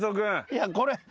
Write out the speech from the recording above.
いやこれ。